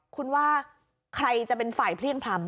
คุณว่าใครจะเป็นฝ่ายเพลี่ยงพล้ำ